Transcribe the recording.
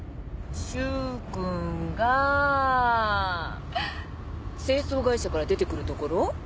柊君が清掃会社から出て来るところ。